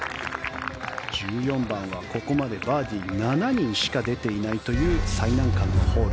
１４番はここまでバーディー７人しか出ていないという最難関のホール。